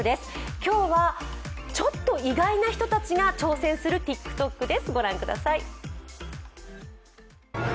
今日はちょっと意外な人たちが挑戦するＴｉｋＴｏｋです。